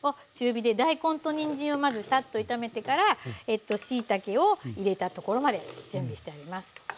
中火で大根とにんじんをまずサッと炒めてからしいたけを入れたところまで準備してあります。